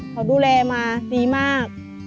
เขาดูแลมาดีมาก